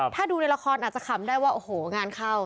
ถ้าดูในละครอาจจะขำได้ว่าโอ้โหงานเข้า